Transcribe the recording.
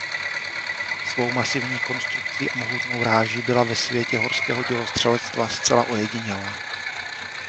Svou masivní konstrukcí a mohutnou ráží byla ve světě horského dělostřelectva zcela ojedinělá.